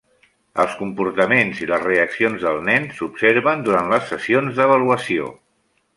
Els comportaments i les reaccions del nen s'observen durant les sessions d'avaluació.